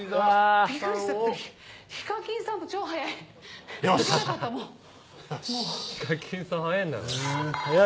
ＨＩＫＡＫＩＮさん、超速い。